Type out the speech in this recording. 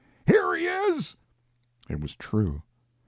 "Here he is!" It was true.